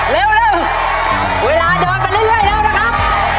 เร็วเวลาเดินไปเรื่อยแล้วนะครับ